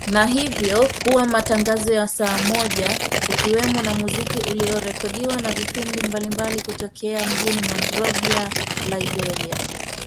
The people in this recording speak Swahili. Na hivyo kuwa matangazo ya saa moja kukiwemo muziki uliorekodiwa na vipindi mbalimbali kutokea mjini Monrovia, Liberia.